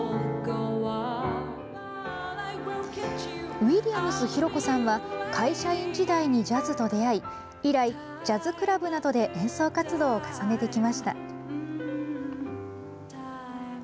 ウィリアムス浩子さんは会社員時代にジャズと出会い以来、ジャズクラブなどで演奏活動を重ねてきました。